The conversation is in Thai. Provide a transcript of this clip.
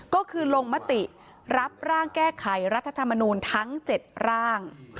ก็คือลงมติรับร่างแก้ไขรัฐธรรมนูลทั้ง๗ร่าง